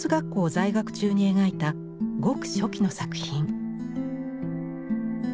在学中に描いたごく初期の作品。